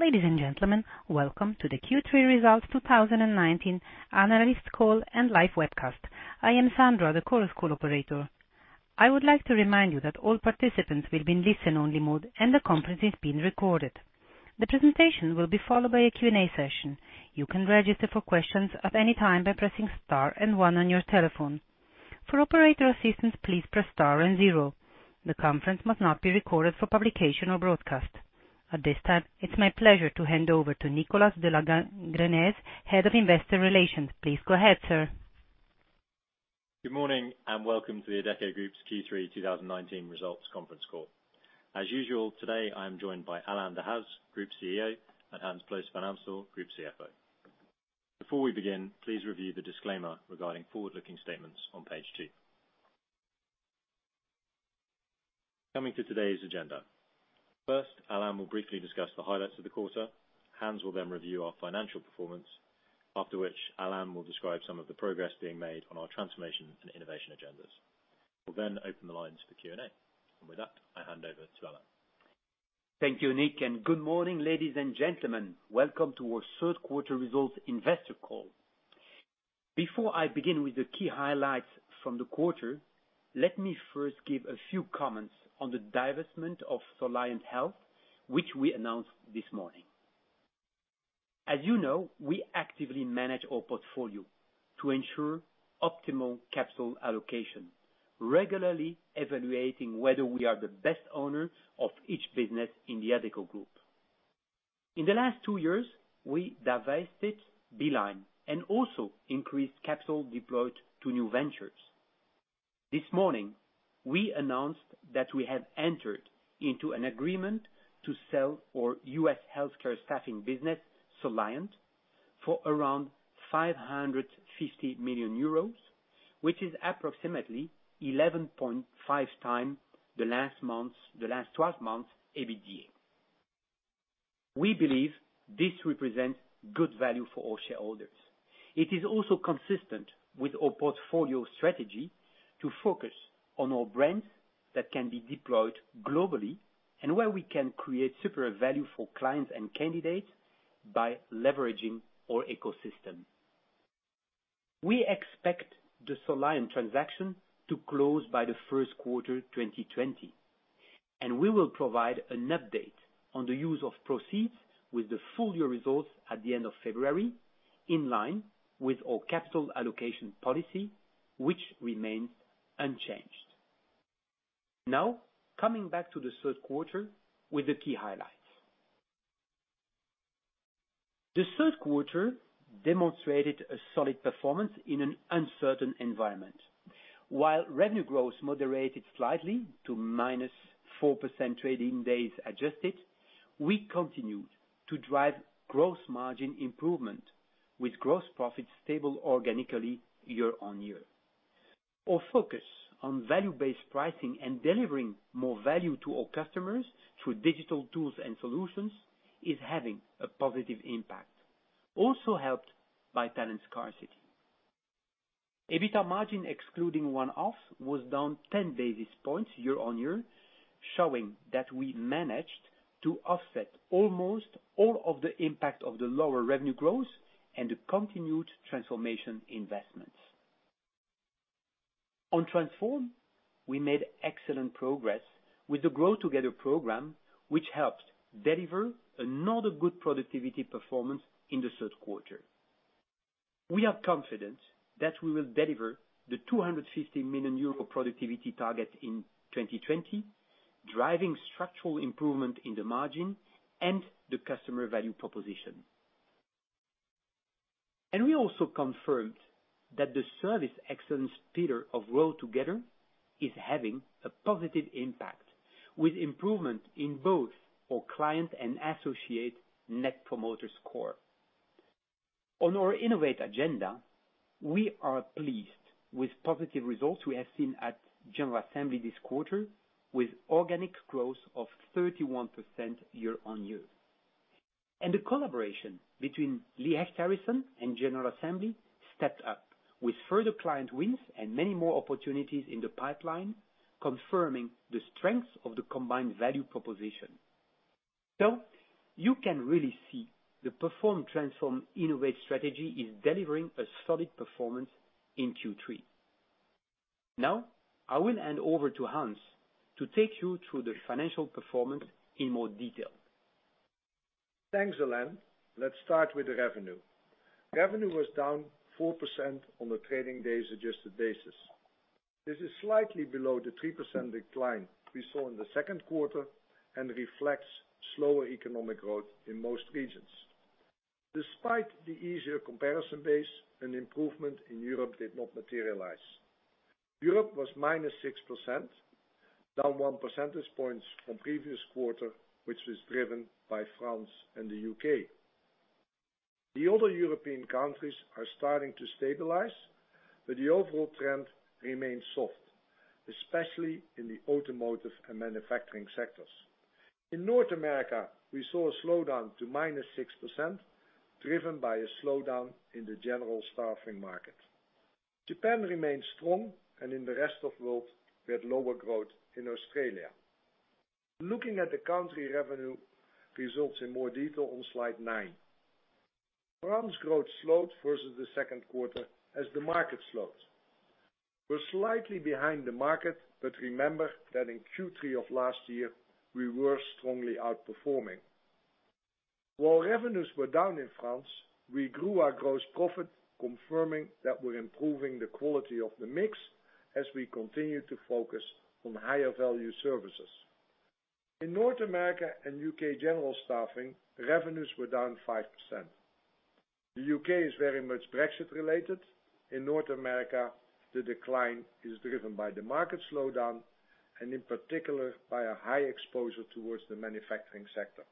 Ladies and gentlemen, welcome to the Q3 Results 2019 analyst call and live webcast. I am Sandra, the Chorus Call operator. I would like to remind you that all participants will be in listen-only mode, and the conference is being recorded. The presentation will be followed by a Q&A session. You can register for questions at any time by pressing Star and One on your telephone. For operator assistance, please press Star and Zero. The conference must not be recorded for publication or broadcast. At this time, it's my pleasure to hand over to Nicholas de la Grense, Head of Investor Relations. Please go ahead, sir. Good morning, welcome to the Adecco Group's Q3 2019 results conference call. As usual, today I am joined by Alain Dehaze, Group CEO, and Hans Ploos van Amstel, Group CFO. Before we begin, please review the disclaimer regarding forward-looking statements on page two. Coming to today's agenda. First, Alain will briefly discuss the highlights of the quarter. Hans will then review our financial performance, after which Alain will describe some of the progress being made on our transformation and innovation agendas. We'll open the lines for Q&A. With that, I hand over to Alain. Thank you, Nick, good morning, ladies and gentlemen. Welcome to our third quarter results investor call. Before I begin with the key highlights from the quarter, let me first give a few comments on the divestment of Soliant Health, which we announced this morning. As you know, we actively manage our portfolio to ensure optimal capital allocation, regularly evaluating whether we are the best owner of each business in the Adecco Group. In the last two years, we divested Beeline and also increased capital deployed to new ventures. This morning, we announced that we have entered into an agreement to sell our U.S. healthcare staffing business, Soliant, for around 550 million euros, which is approximately 11.5 times the last 12 months' EBITDA. We believe this represents good value for our shareholders. It is also consistent with our portfolio strategy to focus on our brands that can be deployed globally and where we can create superior value for clients and candidates by leveraging our ecosystem. We expect the Soliant transaction to close by the first quarter 2020, and we will provide an update on the use of proceeds with the full year results at the end of February, in line with our capital allocation policy, which remains unchanged. Now, coming back to the third quarter with the key highlights. The third quarter demonstrated a solid performance in an uncertain environment. While revenue growth moderated slightly to minus 4% trading days adjusted, we continued to drive gross margin improvement, with gross profits stable organically year-on-year. Our focus on value-based pricing and delivering more value to our customers through digital tools and solutions is having a positive impact, also helped by talent scarcity. EBITDA margin, excluding one-offs, was down 10 basis points year-on-year, showing that we managed to offset almost all of the impact of the lower revenue growth and the continued transformation investments. On transform, we made excellent progress with the Grow Together program, which helped deliver another good productivity performance in the third quarter. We are confident that we will deliver the 250 million euro productivity target in 2020, driving structural improvement in the margin and the customer value proposition. We also confirmed that the service excellence pillar of Grow Together is having a positive impact, with improvement in both our client and associate Net Promoter Score. On our Innovate agenda, we are pleased with positive results we have seen at General Assembly this quarter, with organic growth of 31% year-on-year. The collaboration between Lee Hecht Harrison and General Assembly stepped up with further client wins and many more opportunities in the pipeline, confirming the strength of the combined value proposition. You can really see the Perform, Transform, Innovate strategy is delivering a solid performance in Q3. I will hand over to Hans to take you through the financial performance in more detail. Thanks, Alain. Let's start with revenue. Revenue was down 4% on a trading days adjusted basis. This is slightly below the 3% decline we saw in the second quarter and reflects slower economic growth in most regions. Despite the easier comparison base, an improvement in Europe did not materialize. Europe was minus 6%, down one percentage point from previous quarter, which was driven by France and the U.K. The other European countries are starting to stabilize, the overall trend remains soft, especially in the automotive and manufacturing sectors. In North America, we saw a slowdown to minus 6%, driven by a slowdown in the general staffing market. Japan remains strong, in the rest of world, we had lower growth in Australia. Looking at the country revenue results in more detail on slide nine. France growth slowed versus the second quarter as the market slowed. We're slightly behind the market, but remember that in Q3 of last year, we were strongly outperforming. While revenues were down in France, we grew our gross profit, confirming that we're improving the quality of the mix as we continue to focus on higher value services. In North America and U.K. general staffing, revenues were down 5%. The U.K. is very much Brexit related. In North America, the decline is driven by the market slowdown, and in particular, by a high exposure towards the manufacturing sector.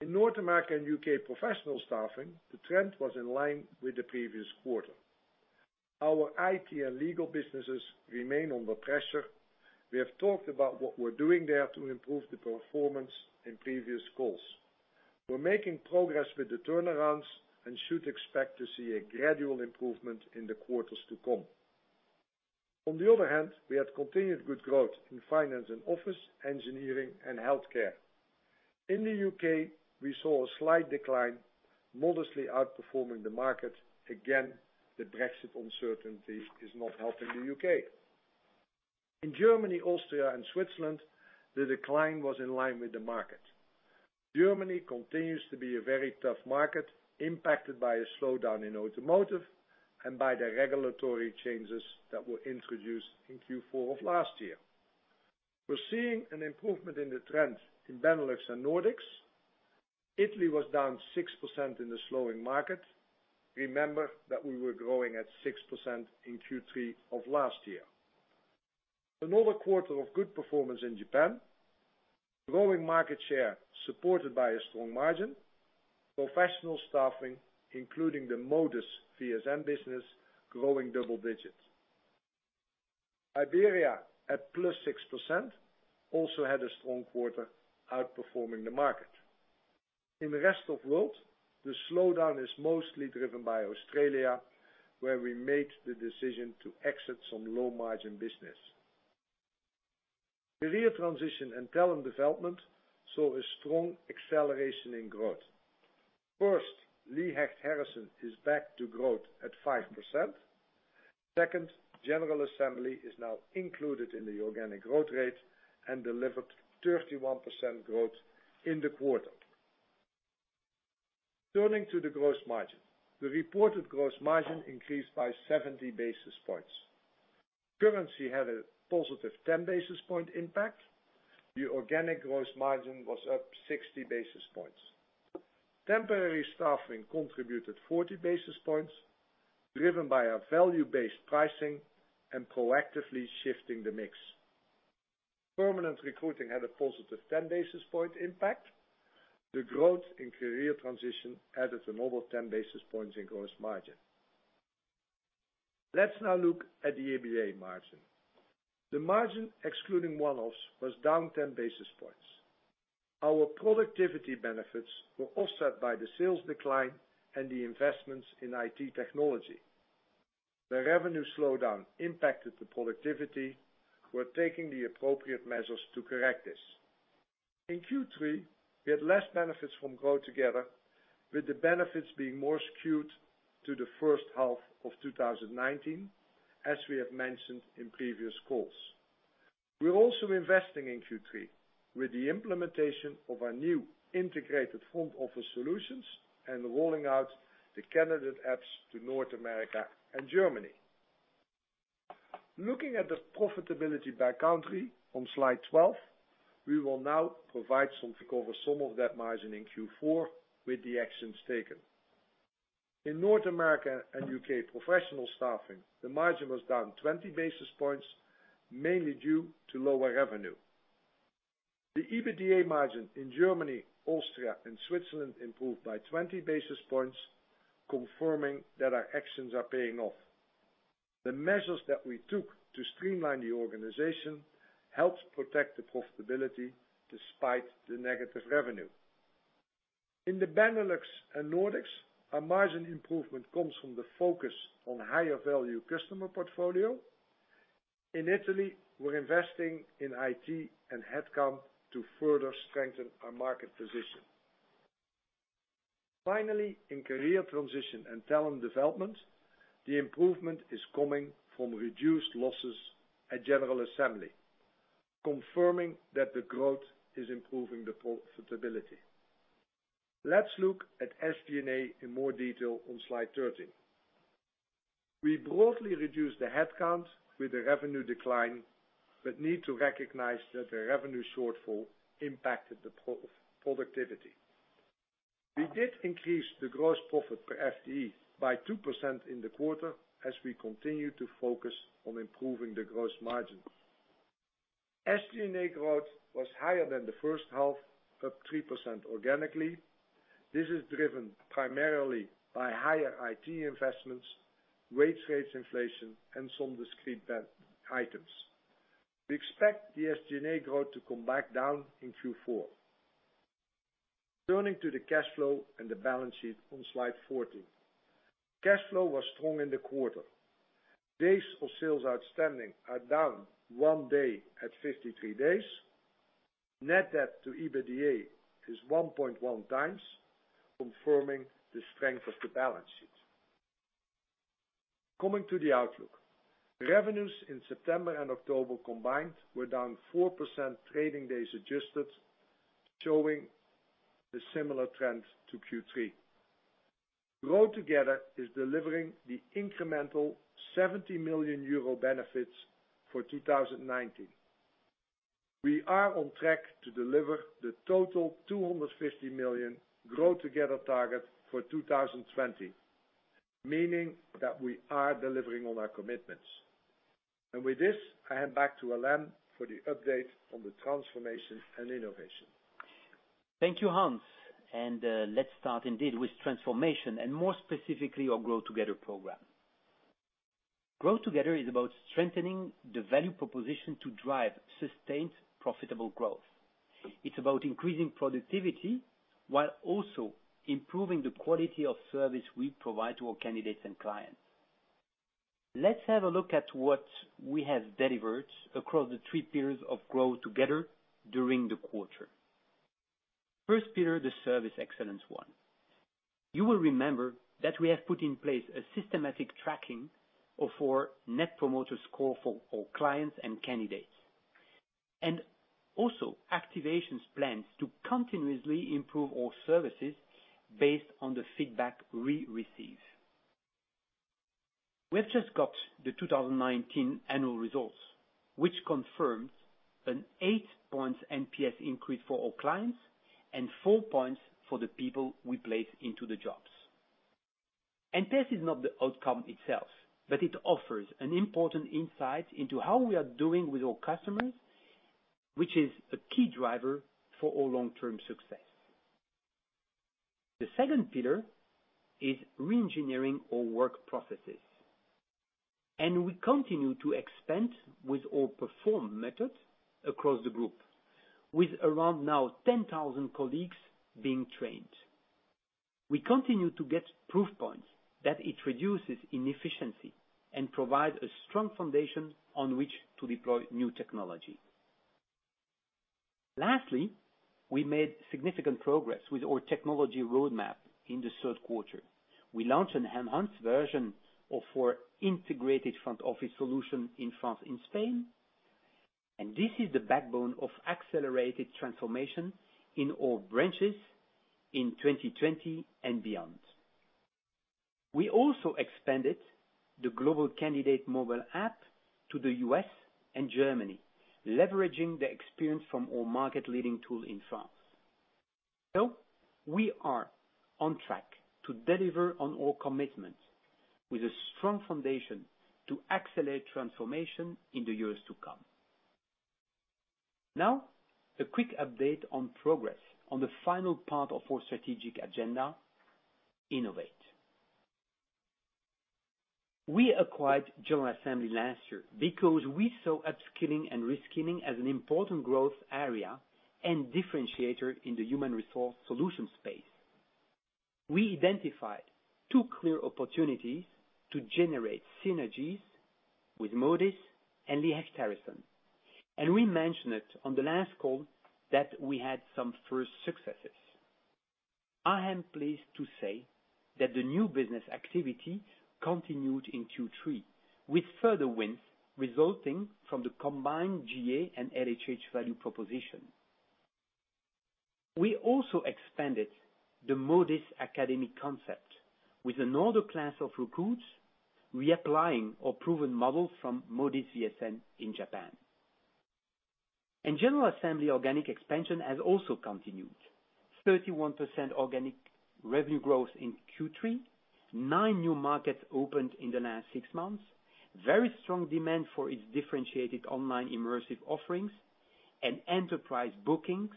In North America and U.K. professional staffing, the trend was in line with the previous quarter. Our IT and legal businesses remain under pressure. We have talked about what we're doing there to improve the performance in previous calls. We're making progress with the turnarounds and should expect to see a gradual improvement in the quarters to come. On the other hand, we had continued good growth in finance and office, engineering, and healthcare. In the U.K., we saw a slight decline, modestly outperforming the market. Again, the Brexit uncertainty is not helping the U.K. In Germany, Austria, and Switzerland, the decline was in line with the market. Germany continues to be a very tough market, impacted by a slowdown in automotive and by the regulatory changes that were introduced in Q4 of last year. We're seeing an improvement in the trend in Benelux and Nordics. Italy was down 6% in the slowing market. Remember that we were growing at 6% in Q3 of last year. Another quarter of good performance in Japan. Growing market share supported by a strong margin. Professional staffing, including the Modis VSN business, growing double digits. Iberia at +6% also had a strong quarter, outperforming the market. In the rest of world, the slowdown is mostly driven by Australia, where we made the decision to exit some low-margin business. Career transition and talent development saw a strong acceleration in growth. First, Lee Hecht Harrison is back to growth at 5%. Second, General Assembly is now included in the organic growth rate and delivered 31% growth in the quarter. Turning to the gross margin. The reported gross margin increased by 70 basis points. Currency had a positive 10 basis point impact. The organic gross margin was up 60 basis points. Temporary staffing contributed 40 basis points, driven by a value-based pricing and proactively shifting the mix. Permanent recruiting had a positive 10 basis point impact. The growth in career transition added another 10 basis points in gross margin. Let's now look at the EBITDA margin. The margin, excluding one-offs, was down 10 basis points. Our productivity benefits were offset by the sales decline and the investments in IT technology. The revenue slowdown impacted the productivity. We're taking the appropriate measures to correct this. In Q3, we had less benefits from Grow Together, with the benefits being more skewed to the first half of 2019, as we have mentioned in previous calls. We're also investing in Q3 with the implementation of our new integrated home office solutions and rolling out the candidate apps to North America and Germany. Looking at the profitability by country on slide 12, we will now recover some of that margin in Q4 with the actions taken. In North America and U.K. professional staffing, the margin was down 20 basis points, mainly due to lower revenue. The EBITDA margin in Germany, Austria, and Switzerland improved by 20 basis points, confirming that our actions are paying off. The measures that we took to streamline the organization helped protect the profitability despite the negative revenue. In the Benelux and Nordics, our margin improvement comes from the focus on higher value customer portfolio. In Italy, we're investing in IT and headcount to further strengthen our market position. Finally, in career transition and talent development, the improvement is coming from reduced losses at General Assembly, confirming that the growth is improving the profitability. Let's look at SG&A in more detail on slide 13. We broadly reduced the headcount with the revenue decline, but need to recognize that the revenue shortfall impacted the productivity. We did increase the gross profit per FTE by 2% in the quarter as we continue to focus on improving the gross margin. SG&A growth was higher than the first half, up 3% organically. This is driven primarily by higher IT investments, wage rates inflation, and some discrete items. We expect the SG&A growth to come back down in Q4. Turning to the cash flow and the balance sheet on slide 14. Cash flow was strong in the quarter. Days of sales outstanding are down one day at 53 days. Net debt to EBITDA is 1.1 times, confirming the strength of the balance sheet. Coming to the outlook. Revenues in September and October combined were down 4% trading days adjusted, showing the similar trend to Q3. Grow Together is delivering the incremental €70 million benefits for 2019. We are on track to deliver the total 250 million Grow Together target for 2020, meaning that we are delivering on our commitments. With this, I hand back to Alain for the update on the transformation and innovation. Thank you, Hans. Let's start indeed with transformation and more specifically, our Grow Together program. Grow Together is about strengthening the value proposition to drive sustained, profitable growth. It's about increasing productivity while also improving the quality of service we provide to our candidates and clients. Let's have a look at what we have delivered across the three pillars of Grow Together during the quarter. First pillar, the service excellence one. You will remember that we have put in place a systematic tracking of our Net Promoter Score for our clients and candidates. Also activations plans to continuously improve our services based on the feedback we receive. We have just got the 2019 annual results, which confirms an eight-point NPS increase for our clients and four points for the people we place into the jobs. NPS is not the outcome itself, but it offers an important insight into how we are doing with our customers, which is a key driver for our long-term success. The second pillar is re-engineering our work processes. We continue to expand with our PERFORM method across the group, with around now 10,000 colleagues being trained. We continue to get proof points that it reduces inefficiency and provides a strong foundation on which to deploy new technology. Lastly, we made significant progress with our technology roadmap in the third quarter. We launched an enhanced version of our integrated front office solution in France and Spain. This is the backbone of accelerated transformation in all branches in 2020 and beyond. We also expanded the global candidate mobile app to the U.S. and Germany, leveraging the experience from our market leading tool in France. We are on track to deliver on our commitments with a strong foundation to accelerate transformation in the years to come. Now, a quick update on progress on the final part of our strategic agenda, innovate. We acquired General Assembly last year because we saw upskilling and reskilling as an important growth area and differentiator in the human resource solution space. We identified two clear opportunities to generate synergies with Modis and LHH, and we mentioned it on the last call that we had some first successes. I am pleased to say that the new business activity continued in Q3, with further wins resulting from the combined GA and LHH value proposition. We also expanded the Modis Academy concept with another class of recruits, reapplying our proven model from Modis VSN in Japan. General Assembly organic expansion has also continued. 31% organic revenue growth in Q3, nine new markets opened in the last six months. Very strong demand for its differentiated online immersive offerings and enterprise bookings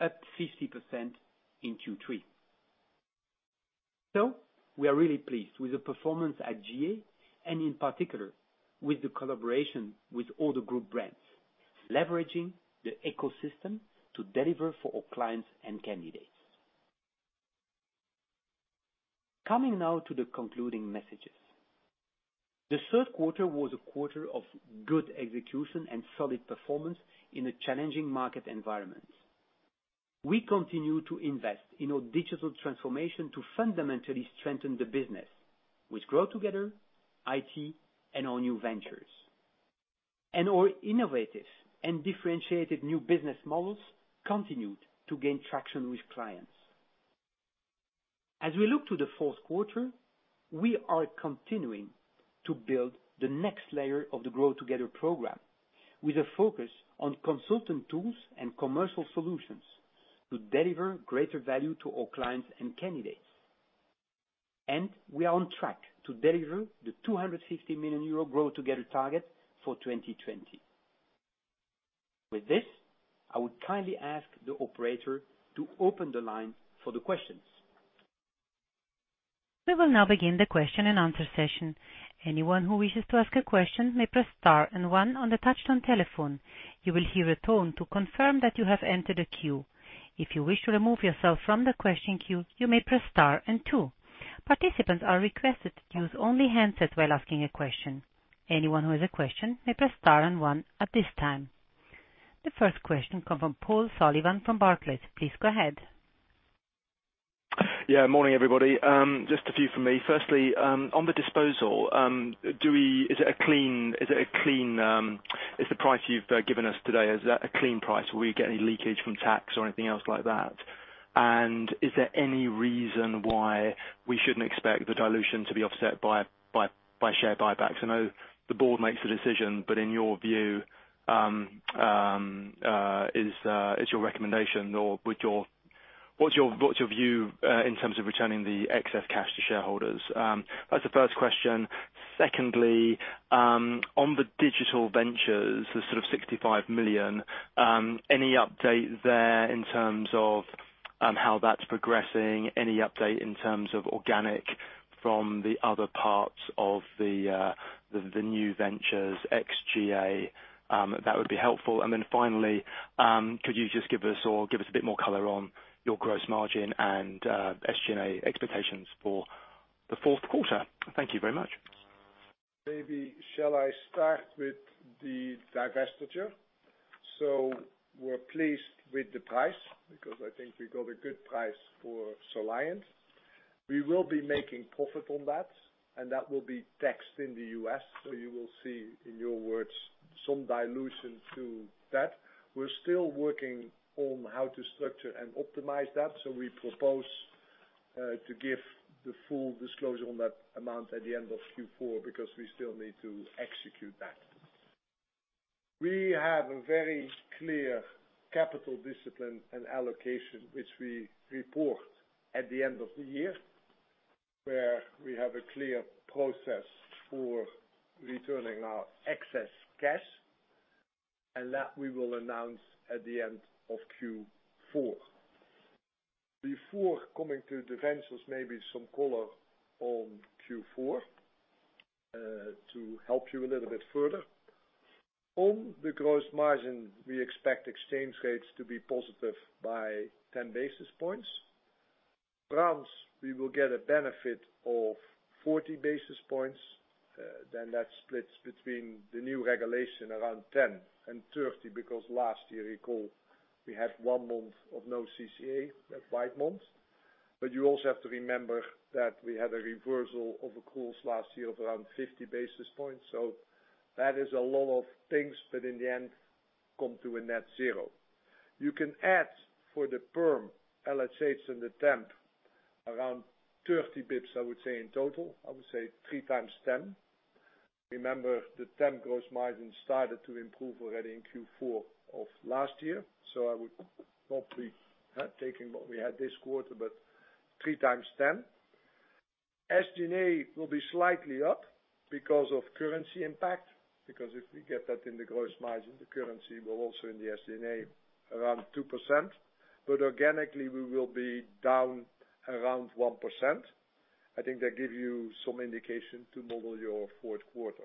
up 50% in Q3. We are really pleased with the performance at GA and in particular with the collaboration with all the group brands, leveraging the ecosystem to deliver for our clients and candidates. Coming now to the concluding messages. The third quarter was a quarter of good execution and solid performance in a challenging market environment. We continue to invest in our digital transformation to fundamentally strengthen the business with Grow Together, IT, and our new ventures. Our innovative and differentiated new business models continued to gain traction with clients. As we look to the fourth quarter, we are continuing to build the next layer of the Grow Together program with a focus on consultant tools and commercial solutions to deliver greater value to our clients and candidates. We are on track to deliver the 250 million euro Grow Together target for 2020. With this, I would kindly ask the operator to open the line for the questions. We will now begin the question and answer session. Anyone who wishes to ask a question may press Star and One on the touch-tone telephone. You will hear a tone to confirm that you have entered the queue. If you wish to remove yourself from the question queue, you may press Star and Two. Participants are requested to use only handsets while asking a question. Anyone who has a question may press Star and One at this time. The first question comes from Paul Sullivan from Barclays. Please go ahead. Yeah. Morning, everybody. Just a few from me. On the disposal, is the price you've given us today, is that a clean price? Will we get any leakage from tax or anything else like that? Is there any reason why we shouldn't expect the dilution to be offset by share buybacks? I know the board makes the decision, in your view, is your recommendation or what's your view in terms of returning the excess cash to shareholders? That's the first question. On the digital ventures, the sort of 65 million, any update there in terms of how that's progressing? Any update in terms of organic from the other parts of the new ventures ex-GA? That would be helpful. Finally, could you just give us a bit more color on your gross margin and SG&A expectations for the fourth quarter? Thank you very much. Maybe shall I start with the divestiture. We're pleased with the price, because I think we got a good price for Soliant. We will be making profit on that, and that will be taxed in the U.S. You will see, in your words, some dilution to that. We're still working on how to structure and optimize that. We propose to give the full disclosure on that amount at the end of Q4 because we still need to execute that. We have a very clear capital discipline and allocation, which we report at the end of the year, where we have a clear process for returning our excess cash, and that we will announce at the end of Q4. Before coming to the ventures, maybe some color on Q4, to help you a little bit further. On the gross margin, we expect exchange rates to be positive by 10 basis points. Branch, we will get a benefit of 40 basis points. That splits between the new regulation around 10 and 30, because last year, you call, we had one month of no CCA, that white month. You also have to remember that we had a reversal of accruals last year of around 50 basis points. That is a lot of things, but in the end, come to a net zero. You can add for the perm, LHH and the temp, around 30 bits, I would say in total. I would say three times 10. Remember, the temp gross margin started to improve already in Q4 of last year, I would not be taking what we had this quarter, but three times 10. SG&A will be slightly up because of currency impact, because if we get that in the gross margin, the currency will also in the SG&A around 2%, but organically, we will be down around 1%. I think that give you some indication to model your fourth quarter.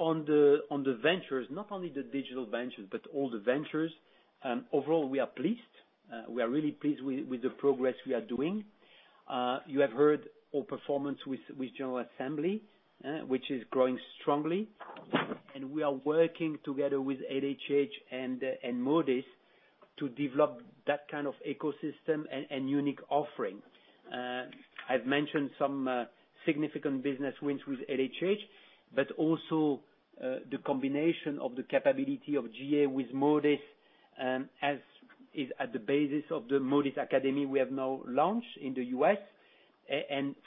On the ventures, not only the digital ventures, but all the ventures, overall, we are pleased. We are really pleased with the progress we are doing. You have heard our performance with General Assembly, which is growing strongly. We are working together with LHH and Modis to develop that kind of ecosystem and unique offering. I've mentioned some significant business wins with LHH, but also the combination of the capability of GA with Modis, as is at the basis of the Modis Academy we have now launched in the U.S.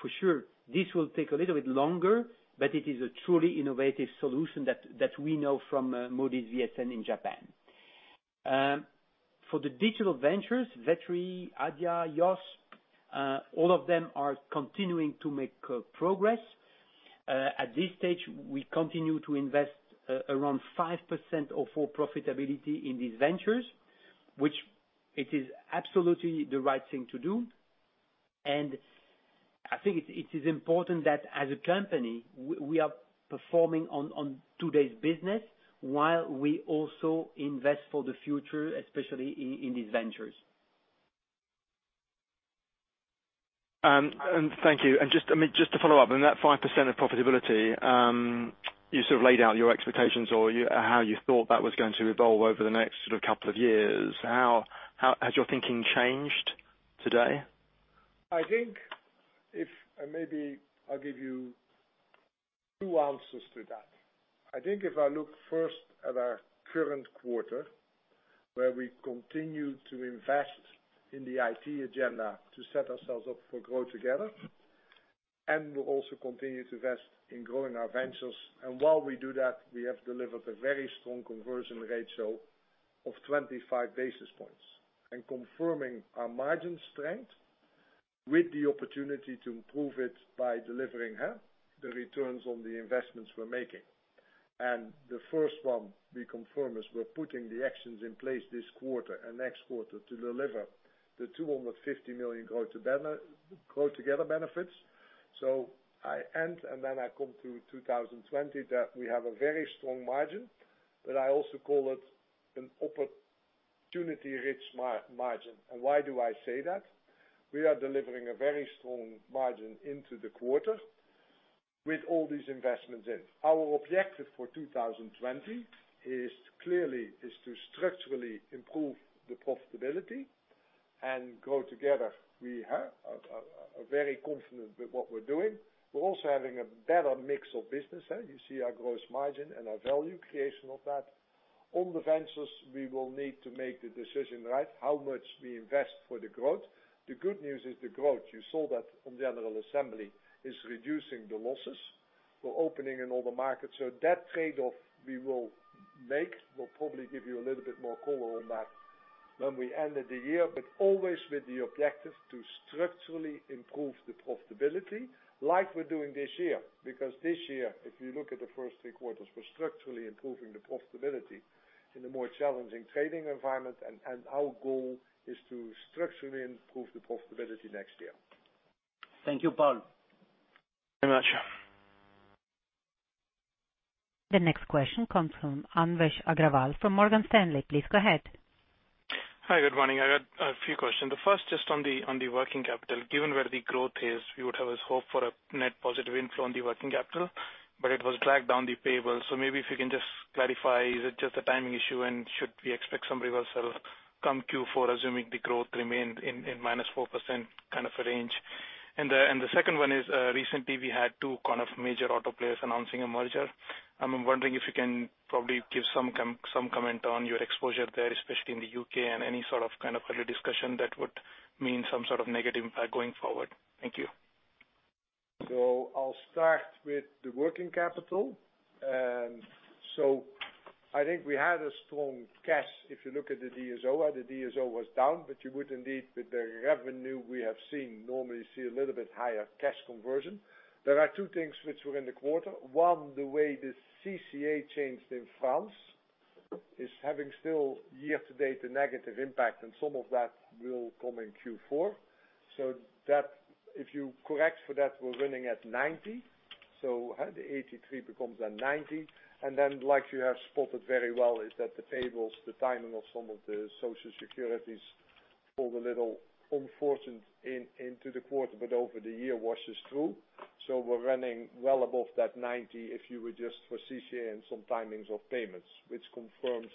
For sure, this will take a little bit longer, but it is a truly innovative solution that we know from Modis VSN in Japan. For the digital ventures, Vettery, Adia, YOSS, all of them are continuing to make progress. At this stage, we continue to invest around 5% of our profitability in these ventures, which it is absolutely the right thing to do. I think it is important that as a company, we are performing on today's business while we also invest for the future, especially in these ventures. Thank you. Just to follow up on that 5% of profitability, you sort of laid out your expectations or how you thought that was going to evolve over the next sort of couple of years. Has your thinking changed today? I think maybe I'll give you two answers to that. I think if I look first at our current quarter, where we continue to invest in the IT agenda to set ourselves up for Grow Together, and we also continue to invest in growing our ventures. While we do that, we have delivered a very strong conversion ratio of 25 basis points and confirming our margin strength with the opportunity to improve it by delivering the returns on the investments we're making. The first one we confirm is we're putting the actions in place this quarter and next quarter to deliver the 250 million Grow Together benefits. I end, and then I come to 2020, that we have a very strong margin, but I also call it an opportunity-rich margin. Why do I say that? We are delivering a very strong margin into the quarter with all these investments in. Our objective for 2020 is to structurally improve the profitability and Grow Together, we are very confident with what we're doing. We're also having a better mix of business. You see our gross margin and our value creation of that. On the ventures, we will need to make the decision, how much we invest for the growth. The good news is the growth, you saw that on the General Assembly, is reducing the losses. We're opening in all the markets. That trade-off we will make. We'll probably give you a little bit more color on that when we ended the year. Always with the objective to structurally improve the profitability like we're doing this year, because this year, if you look at the first three quarters, we're structurally improving the profitability in a more challenging trading environment. Our goal is to structurally improve the profitability next year. Thank you, Paul. Very much. The next question comes from Anvesh Agrawal from Morgan Stanley. Please go ahead. Hi, good morning. I got a few questions. The first just on the working capital. Given where the growth is, we would have hoped for a net positive influence on the working capital, but it was dragged down the payables. Maybe if you can just clarify, is it just a timing issue, and should we expect some reversal come Q4, assuming the growth remained in, -4% kind of a range? The second one is, recently we had two kind of major auto players announcing a merger. I'm wondering if you can probably give some comment on your exposure there, especially in the U.K., and any sort of early discussion that would mean some sort of negative impact going forward. Thank you. I'll start with the working capital. I think we had a strong cash, if you look at the DSO. The DSO was down, you would indeed, with the revenue we have seen, normally see a little bit higher cash conversion. There are two things which were in the quarter. One, the way the CCA changed in France is having still year to date a negative impact, and some of that will come in Q4. If you correct for that, we're running at 90. The 83 becomes a 90. Then like you have spotted very well is that the payables, the timing of some of the social securities pulled a little unfortunate into the quarter, but over the year washes through. We're running well above that 90 if you adjust for CCA and some timings of payments, which confirms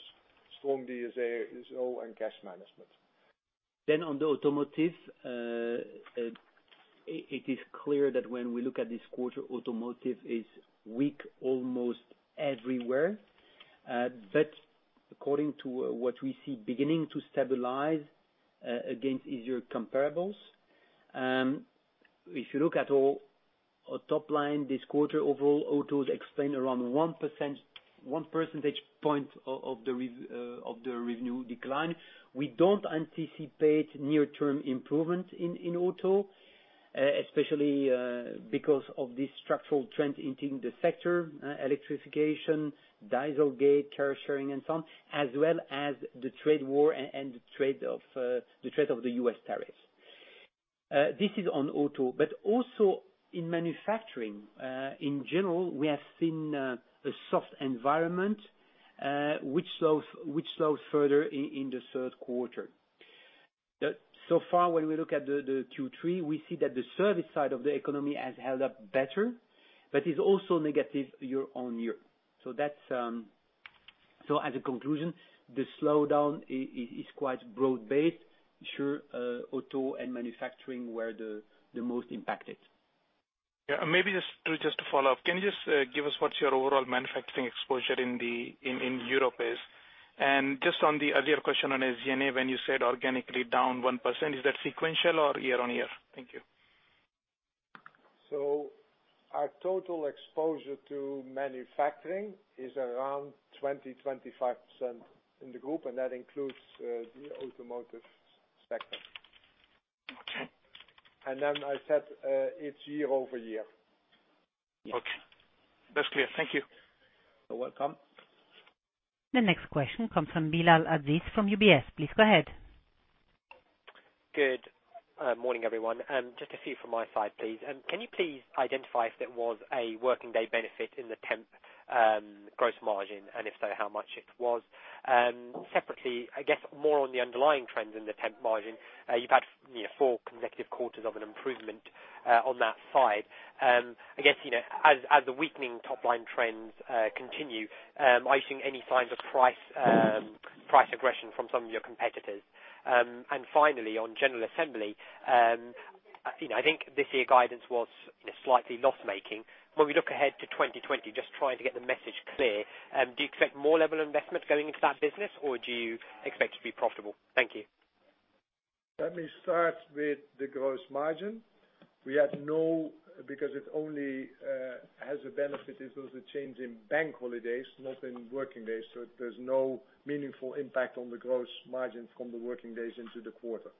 strong DSO and cash management. On the automotive, it is clear that when we look at this quarter, automotive is weak almost everywhere. According to what we see beginning to stabilize against easier comparables. If you look at our top line this quarter, overall, autos explain around one percentage point of the revenue decline. We don't anticipate near term improvement in auto, especially because of the structural trend hitting the sector, electrification, Dieselgate, car sharing, and so on, as well as the trade war and the threat of the U.S. tariffs. This is on auto, but also in manufacturing. In general, we have seen a soft environment, which slows further in the third quarter. So far, when we look at the Q3, we see that the service side of the economy has held up better, but is also negative year-on-year. As a conclusion, the slowdown is quite broad-based. Sure, auto and manufacturing were the most impacted. Yeah, maybe just to follow up, can you just give us what your overall manufacturing exposure in Europe is? Just on the earlier question on APAC, when you said organically down 1%, is that sequential or year-on-year? Thank you. Our total exposure to manufacturing is around 20%-25% in the group, and that includes the automotive sector. Okay. I said it's year-over-year. Okay. That's clear. Thank you. You're welcome. The next question comes from Bilal Aziz from UBS. Please go ahead. Good morning, everyone. Just a few from my side, please. Can you please identify if there was a working day benefit in the temp gross margin, and if so, how much it was? Separately, I guess more on the underlying trends in the temp margin. You've had four consecutive quarters of an improvement on that side. I guess, as the weakening top line trends continue, are you seeing any signs of price aggression from some of your competitors? Finally, on General Assembly, I think this year guidance was slightly loss-making. When we look ahead to 2020, just trying to get the message clear, do you expect more level investment going into that business, or do you expect to be profitable? Thank you. Let me start with the gross margin. It only has a benefit in terms of change in bank holidays, not in working days. There's no meaningful impact on the gross margins from the working days into the quarter.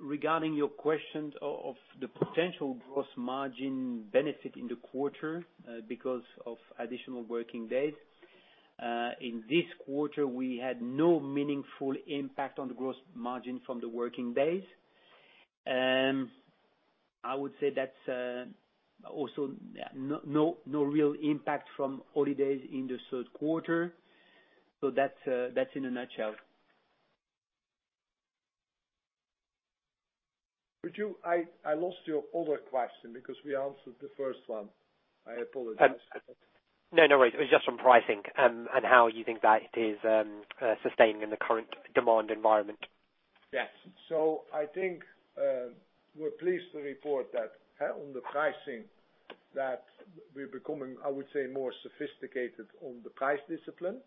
Regarding your questions of the potential gross margin benefit in the quarter because of additional working days. In this quarter, we had no meaningful impact on the gross margin from the working days. I would say that's also no real impact from holidays in the third quarter. That's in a nutshell. I lost your other question because we answered the first one. I apologize. No worries. It was just on pricing and how you think that it is sustaining in the current demand environment. Yes. I think we're pleased to report that on the pricing, that we're becoming, I would say, more sophisticated on the price discipline.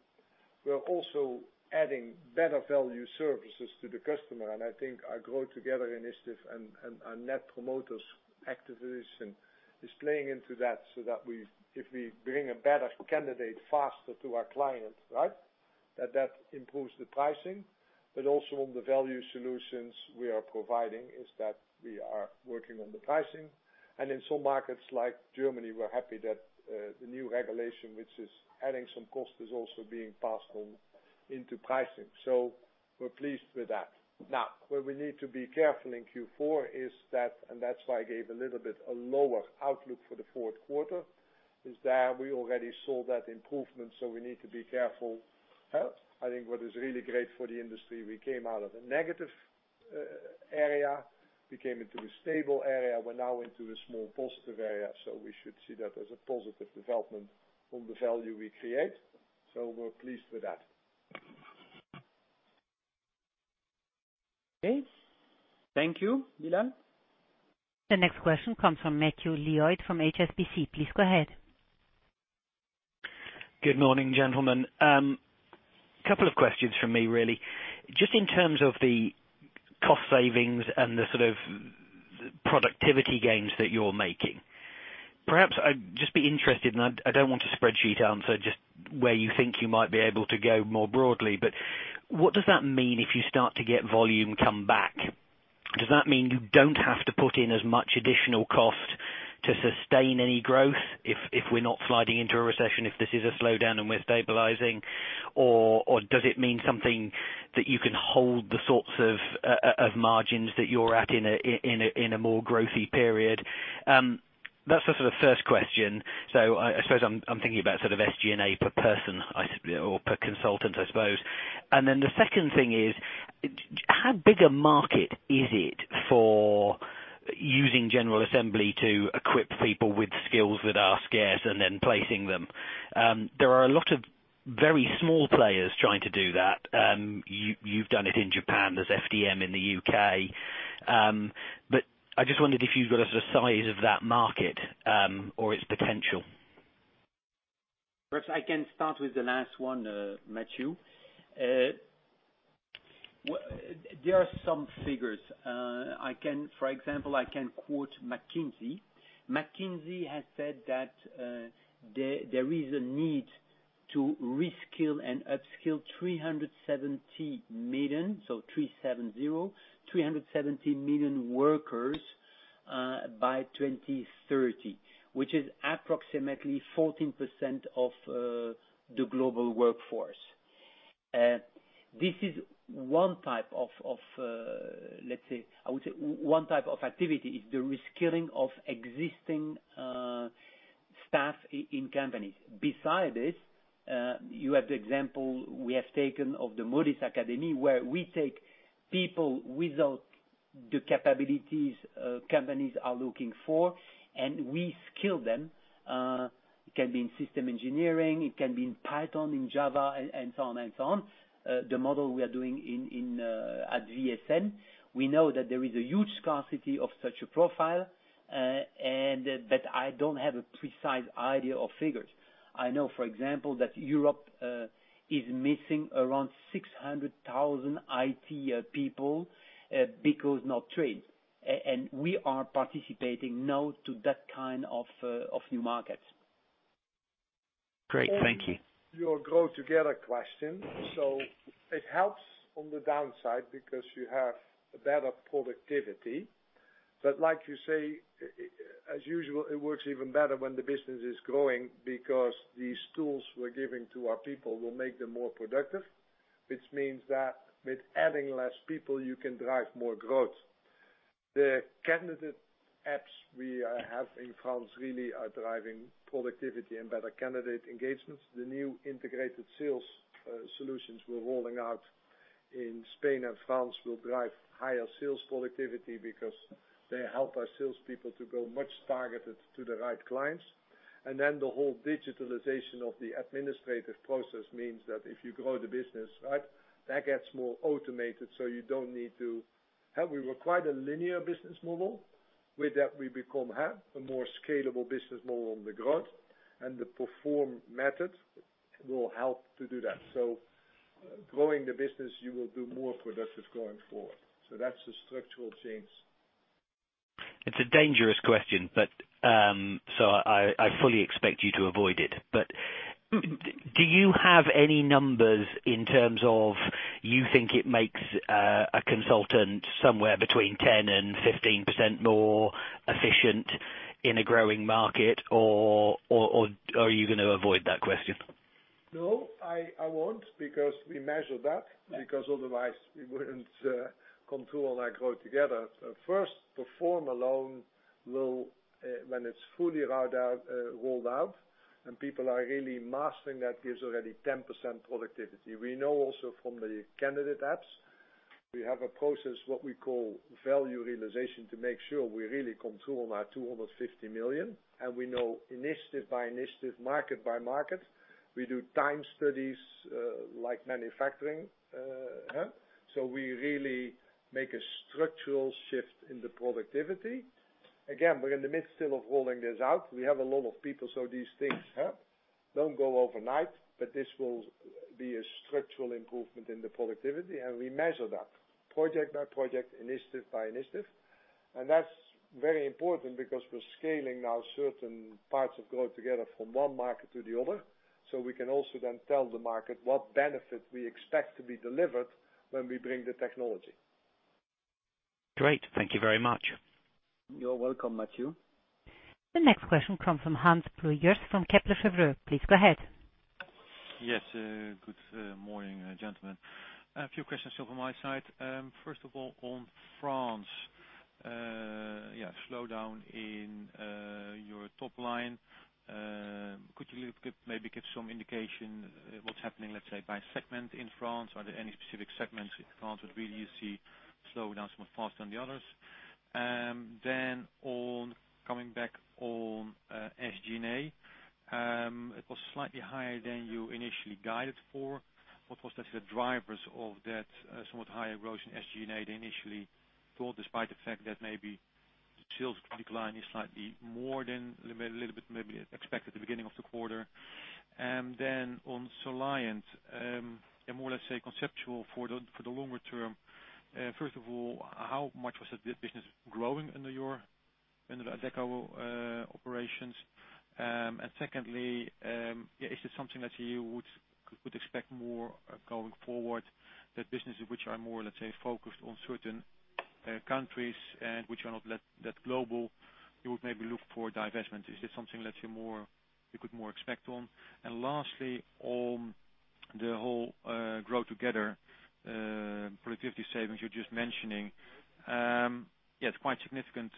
We're also adding better value services to the customer. I think our Grow Together initiative and our Net Promoters activation is playing into that, so that if we bring a better candidate faster to our client, that improves the pricing, but also on the value solutions we are providing is that we are working on the pricing. In some markets like Germany, we're happy that the new regulation, which is adding some cost, is also being passed on into pricing. We're pleased with that. Now, where we need to be careful in Q4 is that, and that's why I gave a little bit a lower outlook for the fourth quarter, is that we already saw that improvement, so we need to be careful. I think what is really great for the industry, we came out of a negative area. We came into a stable area. We're now into a small positive area. We should see that as a positive development from the value we create. We're pleased with that. Okay. Thank you, Bilal. The next question comes from Matthew Lloyd from HSBC. Please go ahead. Good morning, gentlemen. Couple of questions from me really. Just in terms of the cost savings and the sort of productivity gains that you're making. Perhaps I'd just be interested, and I don't want a spreadsheet answer, just where you think you might be able to go more broadly, but what does that mean if you start to get volume come back? Does that mean you don't have to put in as much additional cost to sustain any growth if we're not sliding into a recession, if this is a slowdown and we're stabilizing? Does it mean something that you can hold the sorts of margins that you're at in a more growthy period? That's the sort of first question. I suppose I'm thinking about sort of SG&A per person or per consultant, I suppose. The second thing is, how big a market is it for using General Assembly to equip people with skills that are scarce and then placing them? There are a lot of very small players trying to do that. You've done it in Japan. There's FDM in the U.K. I just wondered if you've got a sort of size of that market or its potential. Perhaps I can start with the last one, Matthew. There are some figures. For example, I can quote McKinsey. McKinsey has said that there is a need to reskill and upskill 370 million, so 370 million workers by 2030, which is approximately 14% of the global workforce. This is 1 type of, let's say, I would say 1 type of activity is the reskilling of existing staff in companies. Besides this, you have the example we have taken of the Modis Academy, where we take people without the capabilities companies are looking for, and we skill them. It can be in system engineering, it can be in Python, in Java, and so on. The model we are doing at VSN, we know that there is a huge scarcity of such a profile, but I don't have a precise idea of figures. I know, for example, that Europe is missing around 600,000 IT people because not trained. We are participating now to that kind of new markets. Great. Thank you. Your Grow Together question. It helps on the downside because you have a better productivity. Like you say, as usual, it works even better when the business is growing because these tools we're giving to our people will make them more productive, which means that with adding less people, you can drive more growth. The candidate apps we have in France really are driving productivity and better candidate engagements. The new integrated sales solutions we're rolling out in Spain and France will drive higher sales productivity because they help our salespeople to go much targeted to the right clients. The whole digitalization of the administrative process means that if you grow the business, that gets more automated. We were quite a linear business model. With that, we become a more scalable business model on the growth, and the PERFORM method will help to do that. Growing the business, you will be more productive going forward. That's the structural change. It's a dangerous question, so I fully expect you to avoid it. Do you have any numbers in terms of, you think it makes a consultant somewhere between 10% and 15% more efficient in a growing market? Are you going to avoid that question? No, I won't, because we measure that, because otherwise we wouldn't come to our Grow Together. First, PERFORM alone will, when it's fully rolled out and people are really mastering that, gives already 10% productivity. We know also from the candidate apps, we have a process, what we call value realization, to make sure we really control our 250 million. We know initiative by initiative, market by market. We do time studies, like manufacturing. We really make a structural shift in the productivity. Again, we're in the midst still of rolling this out. We have a lot of people. These things don't go overnight. This will be a structural improvement in the productivity, and we measure that project by project, initiative by initiative. That's very important because we're scaling now certain parts of Grow Together from one market to the other, we can also then tell the market what benefit we expect to be delivered when we bring the technology. Great. Thank you very much. You're welcome, Matthew. The next question comes from Hans Pluijgers from Kepler Cheuvreux. Please go ahead. Yes, good morning, gentlemen. A few questions from my side. First of all, on France. Slow down in your top line. Could you maybe give some indication what's happening, let's say, by segment in France? Are there any specific segments in France that really you see slowing down faster than the others? Coming back on SG&A. It was slightly higher than you initially guided for. What was the drivers of that somewhat higher growth in SG&A than initially thought, despite the fact that maybe the sales decline is slightly more than maybe a little bit expected at the beginning of the quarter? On Soliant, more, let's say, conceptual for the longer term. First of all, how much was the business growing under your Adecco operations? Secondly, is it something that you would expect more going forward, that businesses which are more, let's say, focused on certain countries and which are not that global, you would maybe look for divestment? Is this something you could more expect on? Lastly, on the whole Grow Together productivity savings you're just mentioning. Yeah, it's quite significant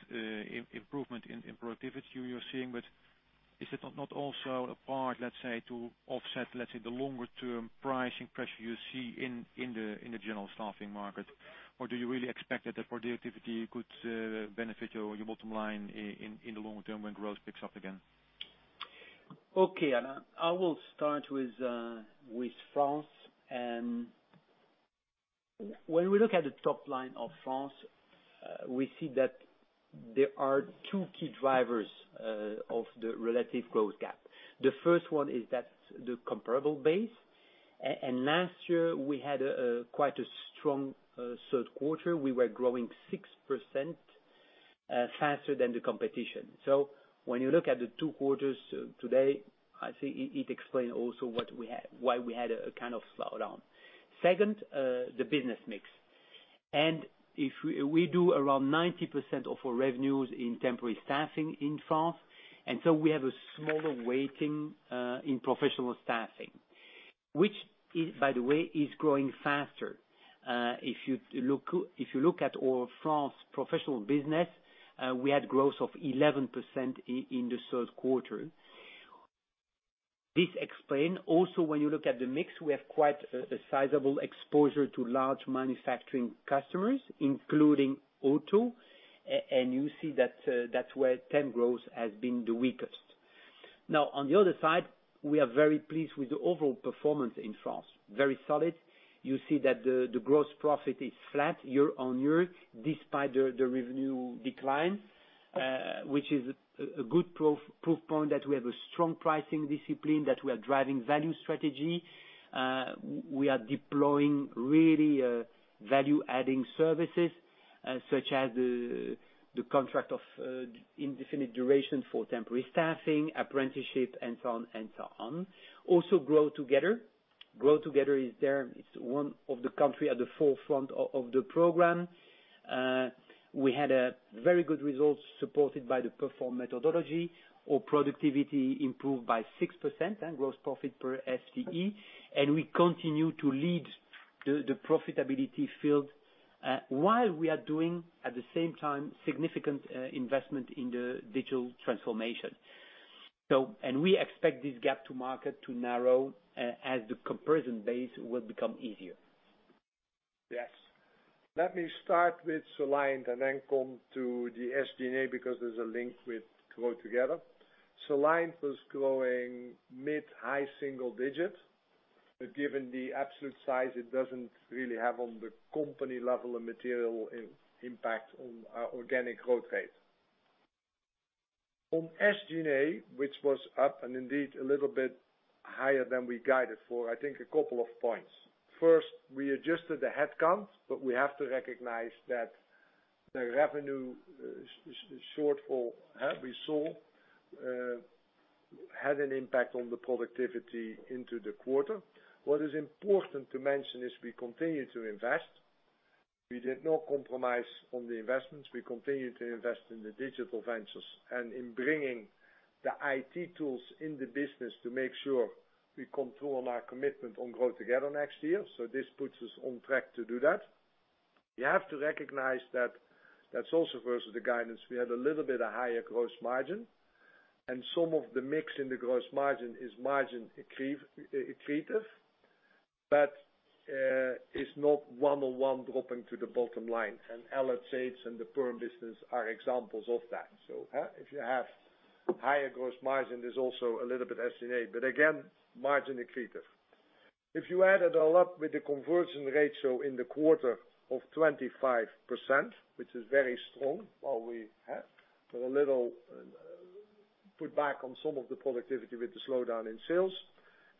improvement in productivity you're seeing, but is it not also a part, let's say, to offset the longer term pricing pressure you see in the general staffing market? Or do you really expect that the productivity could benefit your bottom line in the long term when growth picks up again? Okay. I will start with France. When we look at the top line of France, we see that there are two key drivers of the relative growth gap. The first one is that the comparable base, last year we had quite a strong third quarter. We were growing 6% faster than the competition. When you look at the two quarters today, I think it explains also why we had a kind of slowdown. Second, the business mix. We do around 90% of our revenues in temporary staffing in France, we have a smaller weighting in professional staffing, which, by the way, is growing faster. If you look at our France professional business, we had growth of 11% in the third quarter. This explain also, when you look at the mix, we have quite a sizable exposure to large manufacturing customers, including auto. You see that's where temp growth has been the weakest. Now, on the other side, we are very pleased with the overall performance in France. Very solid. You see that the gross profit is flat year-on-year, despite the revenue decline, which is a good proof point that we have a strong pricing discipline, that we are driving value strategy. We are deploying really value-adding services, such as the contract of indefinite duration for temporary staffing, apprenticeship, and so on. Grow Together. Grow Together is one of the country at the forefront of the program. We had very good results supported by the PERFORM methodology, our productivity improved by 6%, and gross profit per FTE. We continue to lead the profitability field while we are doing, at the same time, significant investment in the digital transformation. We expect this gap to market to narrow as the comparison base will become easier. Yes. Let me start with Soliant and then come to the SG&A, because there's a link with Grow Together. Soliant was growing mid-high single digits. Given the absolute size, it doesn't really have, on the company level, a material impact on our organic growth rate. On SG&A, which was up and indeed a little bit higher than we guided for, I think a couple of points. First, we adjusted the headcount, but we have to recognize that the revenue shortfall we saw had an impact on the productivity into the quarter. What is important to mention is we continue to invest. We did not compromise on the investments. We continue to invest in the digital ventures and in bringing the IT tools in the business to make sure we come through on our commitment on Grow Together next year. This puts us on track to do that. You have to recognize that's also versus the guidance. We had a little bit of higher gross margin, and some of the mix in the gross margin is margin accretive, but it's not one-on-one dropping to the bottom line. LHH and the Perm business are examples of that. If you have higher gross margin, there's also a little bit SG&A, but again, margin accretive. If you add it all up with the conversion ratio in the quarter of 25%, which is very strong, while we put a little put back on some of the productivity with the slowdown in sales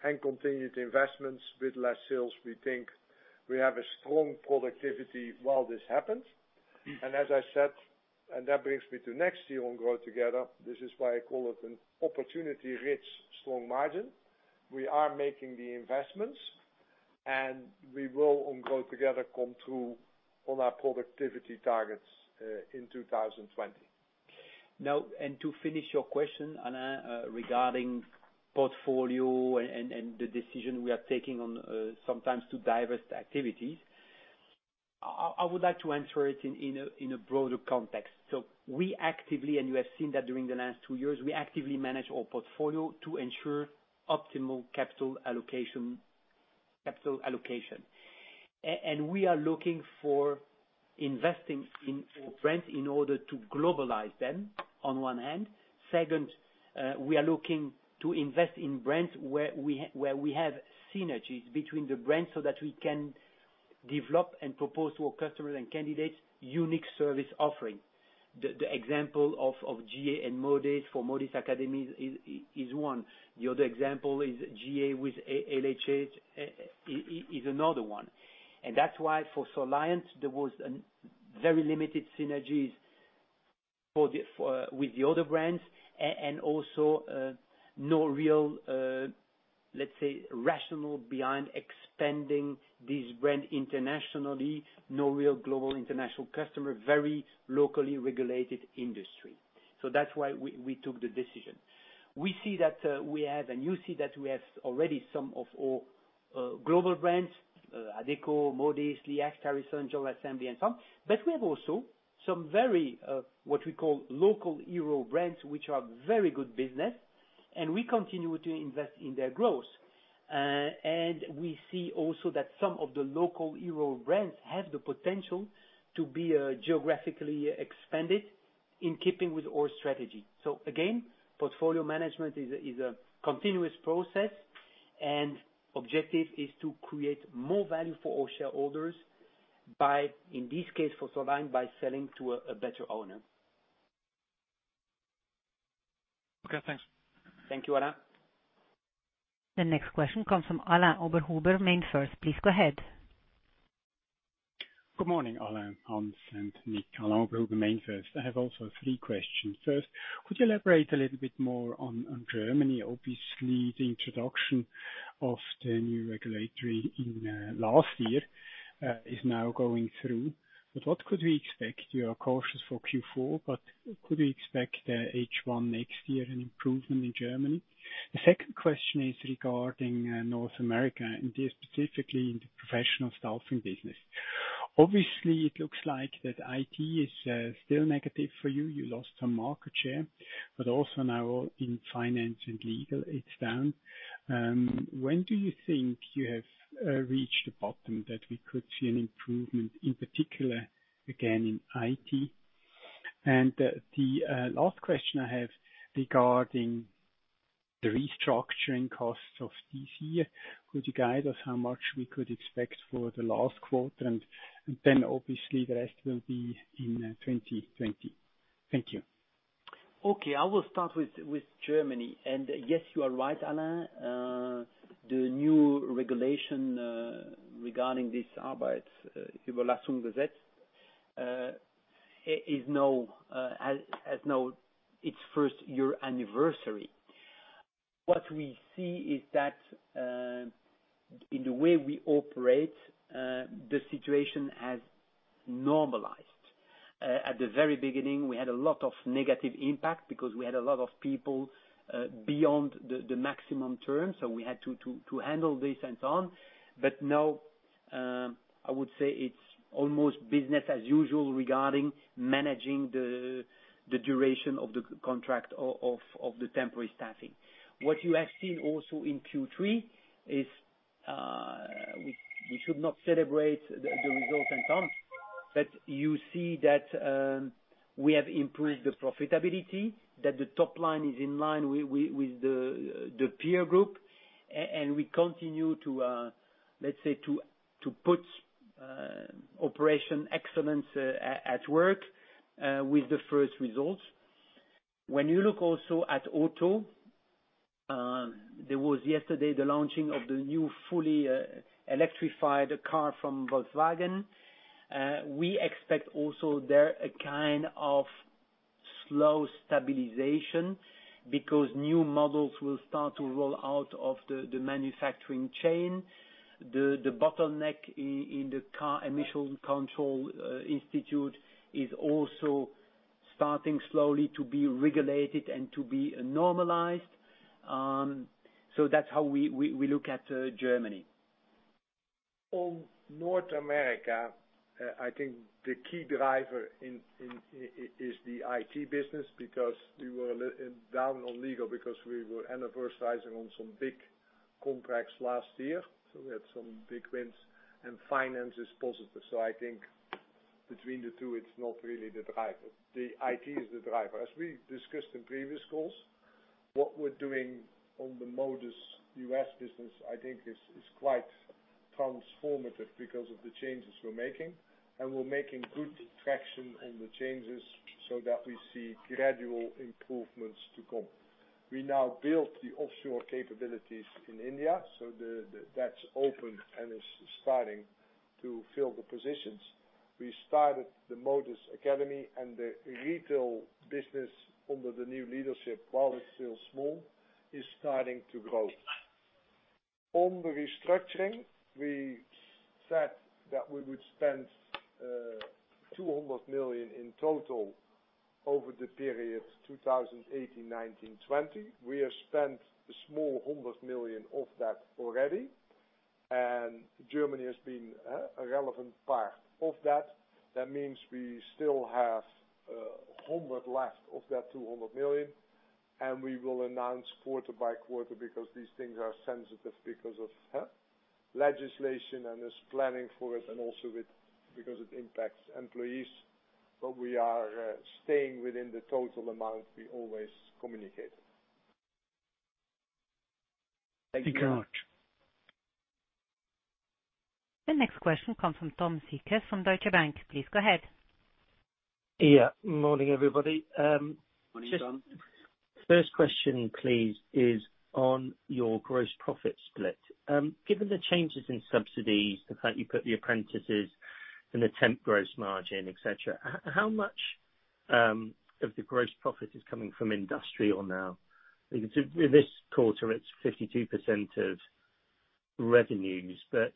and continued investments with less sales, we think we have a strong productivity while this happens. As I said, and that brings me to next year on Grow Together, this is why I call it an opportunity-rich, strong margin. We are making the investments, and we will, on Grow Together, come through on our productivity targets in 2020. To finish your question, Alain, regarding portfolio and the decision we are taking on sometimes to divest activities, I would like to answer it in a broader context. We actively, and you have seen that during the last two years, we actively manage our portfolio to ensure optimal capital allocation. We are looking for investing in brands in order to globalize them, on one hand. Second, we are looking to invest in brands where we have synergies between the brands so that we can develop and propose to our customers and candidates unique service offerings. The example of GA and Modis for Modis Academies is one. The other example is GA with LHH is another one. That's why for Soliant, there was very limited synergies with the other brands and also, no real, let's say, rationale behind expanding this brand internationally. No real global international customer, very locally regulated industry. That's why we took the decision. We see that we have, and you see that we have already some of our global brands, Adecco, Modis, LHH, Carison, General Assembly, and some. We have also some very, what we call local hero brands, which are very good business, and we continue to invest in their growth. We see also that some of the local hero brands have the potential to be geographically expanded in keeping with our strategy. Again, portfolio management is a continuous process, and objective is to create more value for our shareholders by, in this case, for Soliant, by selling to a better owner. Okay, thanks. Thank you, Alain. The next question comes from Alain Oberholzer, MainFirst. Please go ahead. Good morning, Alain, Hans, and Nick. Alain Oberholzer, MainFirst. I have also three questions. First, could you elaborate a little bit more on Germany? Obviously, the introduction of the new regulatory in last year is now going through. What could we expect? You are cautious for Q4, but could we expect H1 next year an improvement in Germany? The second question is regarding North America, and specifically in the professional staffing business. Obviously, it looks like that IT is still negative for you. You lost some market share, also now in finance and legal, it's down. When do you think you have reached the bottom that we could see an improvement, in particular, again in IT? The last question I have regarding the restructuring costs of this year. Could you guide us how much we could expect for the last quarter? Obviously the rest will be in 2020. Thank you. Okay, I will start with Germany. Yes, you are right, Alain. The new regulation regarding this Arbeitnehmerüberlassungsgesetz has now its first year anniversary. What we see is that, in the way we operate, the situation has normalized. At the very beginning, we had a lot of negative impact because we had a lot of people beyond the maximum term. We had to handle this and so on. Now, I would say it's almost business as usual regarding managing the duration of the contract of the temporary staffing. What you have seen also in Q3 is, we should not celebrate the results and so on, but you see that we have improved the profitability, that the top line is in line with the peer group. We continue to, let's say to put operation excellence at work with the first results. When you look also at auto, there was yesterday the launching of the new fully electrified car from Volkswagen. We expect also there a kind of slow stabilization because new models will start to roll out of the manufacturing chain. The bottleneck in the car emission control institute is also starting slowly to be regulated and to be normalized. That's how we look at Germany. On North America, I think the key driver is the IT business, because we were down on legal, because we were anniversarying on some big contracts last year, so we had some big wins, and finance is positive. I think between the two, it's not really the driver. The IT is the driver. As we discussed in previous calls, what we're doing on the Modis U.S. business, I think is quite transformative because of the changes we're making. We're making good traction on the changes so that we see gradual improvements to come. We now built the offshore capabilities in India, so that's open and is starting to fill the positions. We started the Modis Academy and the retail business under the new leadership, while it's still small, is starting to grow. On the restructuring, we said that we would spend 200 million in total over the period, 2018, 2019, 2020. We have spent 100 million of that already, Germany has been a relevant part of that. That means we still have 100 left of that 200 million, We will announce quarter by quarter because these things are sensitive because of legislation and there's planning for it and also because it impacts employees. We are staying within the total amount we always communicated. Thank you. Thank you very much. The next question comes from Tom Sykes from Deutsche Bank. Please go ahead. Yeah. Morning, everybody. Morning, Tom. First question, please, is on your gross profit split. Given the changes in subsidies, the fact you put the apprentices and the temp gross margin, et cetera, how much of the gross profit is coming from industrial now? Because in this quarter it's 52% of revenues, but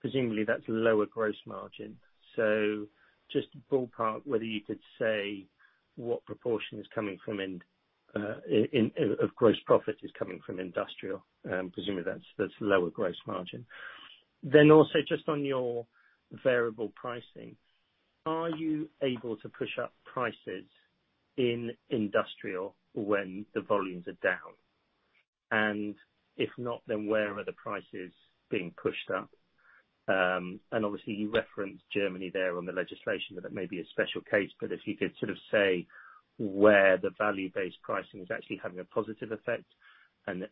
presumably that's lower gross margin. Just to ballpark whether you could say what proportion of gross profit is coming from industrial. Presumably, that's lower gross margin. Also just on your variable pricing, are you able to push up prices in industrial when the volumes are down? If not, then where are the prices being pushed up? Obviously you referenced Germany there on the legislation that may be a special case, but if you could sort of say where the value-based pricing is actually having a positive effect, and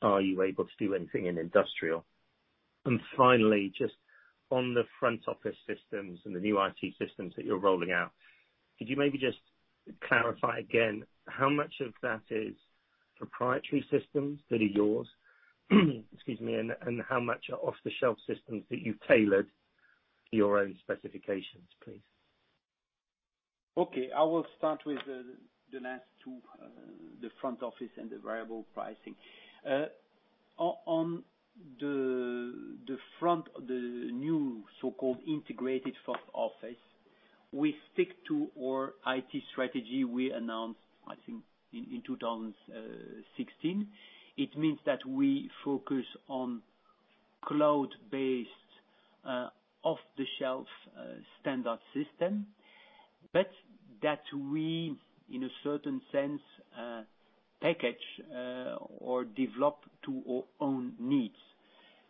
are you able to do anything in industrial? Finally, just on the front office systems and the new IT systems that you're rolling out, could you maybe just clarify again how much of that is proprietary systems that are yours, excuse me, and how much are off-the-shelf systems that you've tailored to your own specifications, please? Okay, I will start with the last two, the front office and the variable pricing. On the front, the new so-called integrated front office, we stick to our IT strategy we announced, I think, in 2016. It means that we focus on cloud-based, off-the-shelf standard system, but that we, in a certain sense, package or develop to our own needs.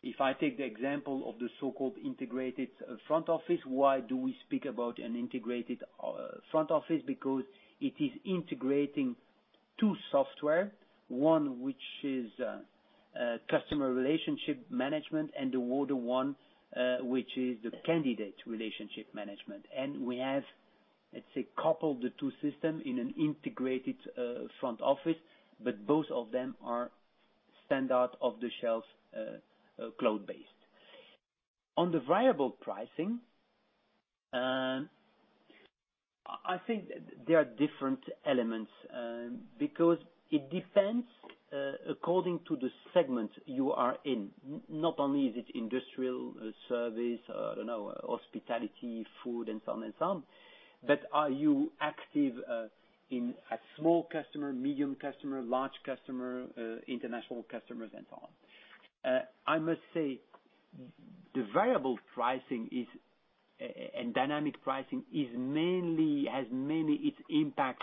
If I take the example of the so-called integrated front office, why do we speak about an integrated front office? Because it is integrating two software, one which is customer relationship management and the other one which is the candidate relationship management. We have, let's say, coupled the two system in an integrated front office, but both of them are standard off-the-shelf cloud-based. On the variable pricing, I think there are different elements because it depends according to the segment you are in. Not only is it industrial service, I don't know, hospitality, food, and so on and so on, but are you active in a small customer, medium customer, large customer, international customers and so on? I must say, the variable pricing and dynamic pricing has mainly its impact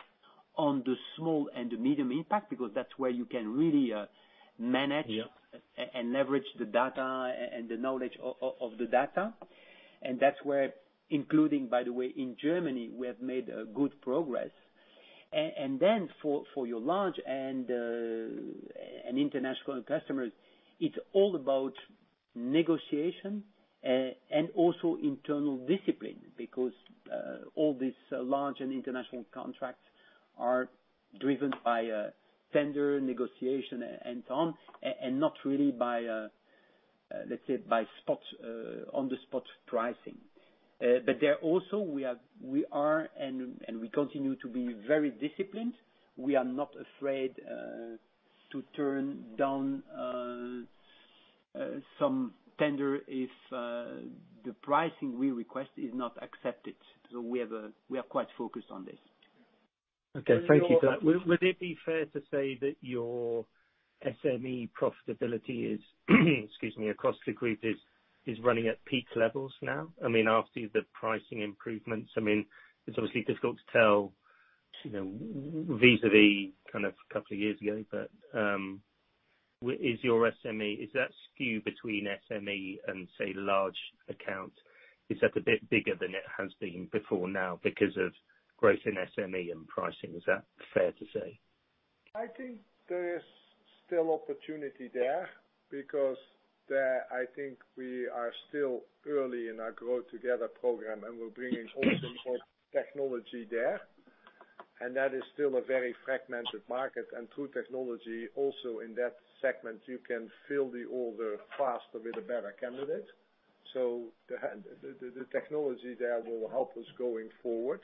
on the small and the medium impact because that's where you can really manage- Yeah Leverage the data and the knowledge of the data. That's where, including by the way in Germany, we have made good progress. For your large and international customers, it's all about negotiation, and also internal discipline because all these large and international contracts are driven by a tender negotiation, Tom, not really by, let's say, on the spot pricing. There also, we are and we continue to be very disciplined. We are not afraid to turn down some tender if the pricing we request is not accepted. We are quite focused on this. Okay. Thank you. Would it be fair to say that your SME profitability is excuse me, across the group is running at peak levels now? After the pricing improvements, it's obviously difficult to tell vis-a-vis a couple of years ago, but is that skew between SME and say large accounts, is that a bit bigger than it has been before now because of growth in SME and pricing? Is that fair to say? I think there is still opportunity there because there, I think we are still early in our Grow Together program. We're bringing on some more technology there. That is still a very fragmented market. Through technology also in that segment, you can fill the order faster with a better candidate. The technology there will help us going forward.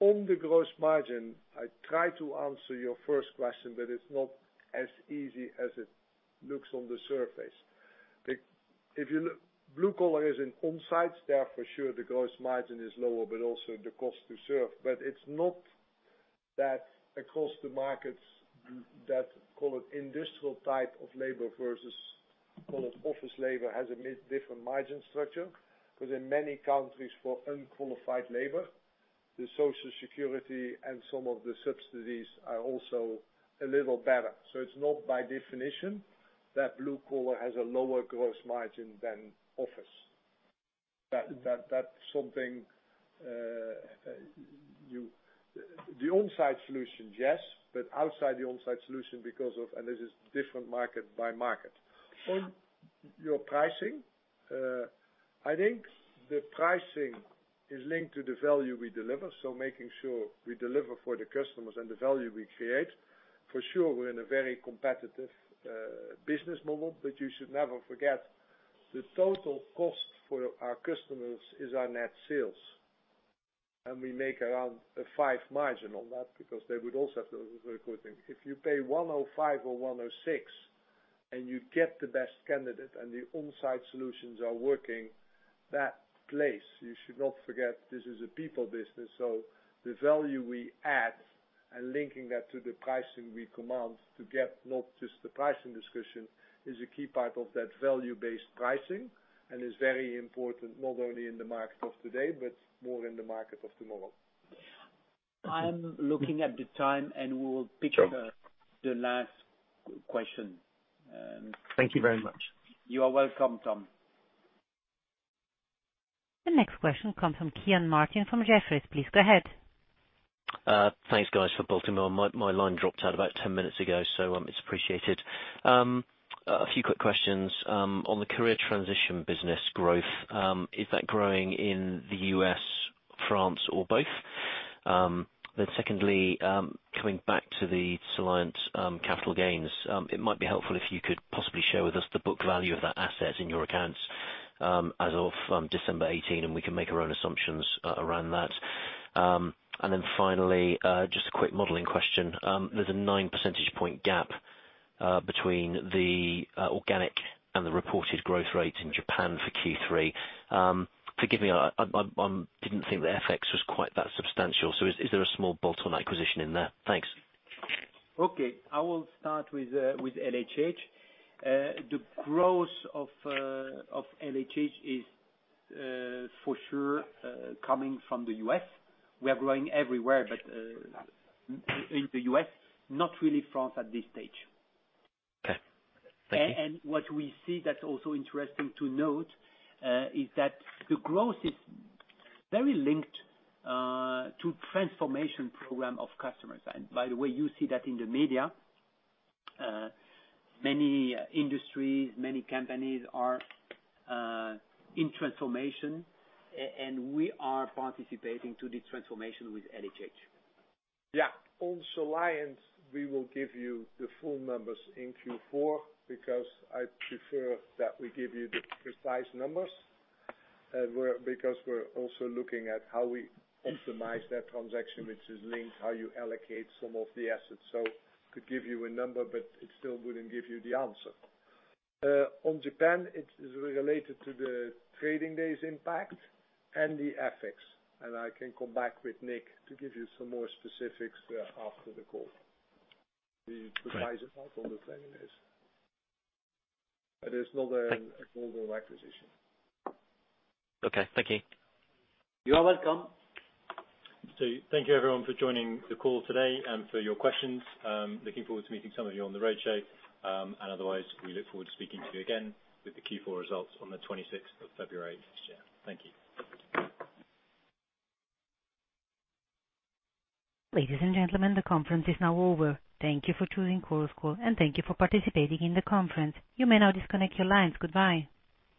On the gross margin, I try to answer your first question. It's not as easy as it looks on the surface. If you look, blue collar is in on-site staff for sure, the gross margin is lower. Also the cost to serve. It's not that across the markets that call it industrial type of labor versus call it office labor, has a different margin structure. In many countries for unqualified labor, the Social Security and some of the subsidies are also a little better. It's not by definition that blue collar has a lower gross margin than office. That's something, the on-site solution, yes, but outside the on-site solution because of, and this is different market by market. On your pricing, I think the pricing is linked to the value we deliver, making sure we deliver for the customers and the value we create. For sure, we're in a very competitive business model, but you should never forget the total cost for our customers is our net sales. We make around a five margin on that because they would also have those recruiting. If you pay 105 or 106 and you get the best candidate and the on-site solutions are working, that place, you should not forget this is a people business. The value we add and linking that to the pricing we command to get not just the pricing discussion, is a key part of that value-based pricing and is very important not only in the market of today, but more in the market of tomorrow. I'm looking at the time, and we will pick the last question. Thank you very much. You are welcome, Tom. The next question comes from Kean Marden from Jefferies. Please go ahead. Thanks, guys, for putting me on. My line dropped out about 10 minutes ago. It's appreciated. A few quick questions. On the career transition business growth, is that growing in the U.S., France, or both? Secondly, coming back to the Soliant capital gains. It might be helpful if you could possibly share with us the book value of that asset in your accounts, as of December 2018. We can make our own assumptions around that. Finally, just a quick modeling question. There's a nine percentage point gap between the organic and the reported growth rate in Japan for Q3. Forgive me, I didn't think the FX was quite that substantial. Is there a small bolt-on acquisition in there? Thanks. Okay. I will start with LHH. The growth of LHH is for sure coming from the U.S. We are growing everywhere, but in the U.S., not really France at this stage. Okay. Thank you. What we see that's also interesting to note, is that the growth is very linked to transformation program of customers. By the way, you see that in the media. Many industries, many companies are in transformation, and we are participating to the transformation with LHH. Yeah. On Soliant, we will give you the full numbers in Q4 because I prefer that we give you the precise numbers because we're also looking at how we optimize that transaction, which is linked how you allocate some of the assets. Could give you a number, but it still wouldn't give you the answer. On Japan, it is related to the trading days impact and the FX. I can come back with Nick to give you some more specifics after the call. The precise impact on the trading days. That is not a global acquisition. Okay. Thank you. You are welcome. Thank you everyone for joining the call today and for your questions. Looking forward to meeting some of you on the roadshow. Otherwise, we look forward to speaking to you again with the Q4 results on the 26th of February next year. Thank you. Ladies and gentlemen, the conference is now over. Thank you for choosing Chorus Call, and thank you for participating in the conference. You may now disconnect your lines. Goodbye.